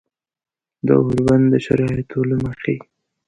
د اوربند د شرایطو له مخې